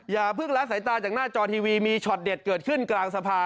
อย่าเพิ่งละสายตาจากหน้าจอทีวีมีช็อตเด็ดเกิดขึ้นกลางสภา